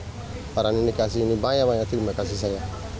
orang ini kasih ini banyak banyak terima kasih saya